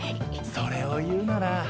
それを言うなら。